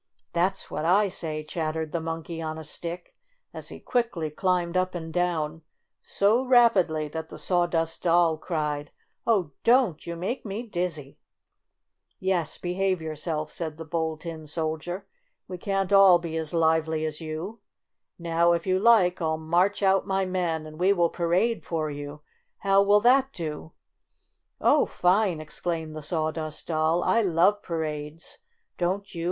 "That's what I sayf f ' chattered the Monkey on a Stick, as he quickly climbed up and down, so rapidly that the Sawdust Doll cried :'' Oh, don 't ! You make me dizzy !'' "Yes, behave yourself," said the Bold Tin Soldier. "We can't all be as lively as you. Now, if you like, I'll march out my men and we will parade for you. How will that do?" "Oh, fine !" exclaimed the Sawdust Doll. "I love parades! Don't you?"